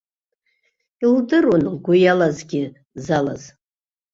Илдыруан лгәы иалазгьы, залаз.